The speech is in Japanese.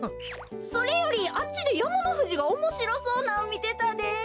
それよりあっちでやまのふじがおもしろそうなんみてたで。